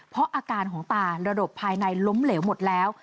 เพราะอาการของตาระบบภายในล้มเหลวหมดแล้ว